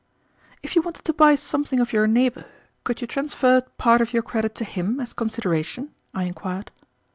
"If you wanted to buy something of your neighbor, could you transfer part of your credit to him as consideration?" I inquired.